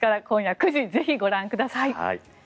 今夜９時、ぜひご覧ください。